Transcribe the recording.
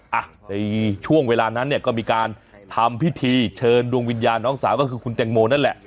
อ่ะในช่วงเวลานั้นเนี่ยก็มีการทำพิธีเชิญดวงวิญญาณน้องสาวก็คือคุณแตงโมนั่นแหละ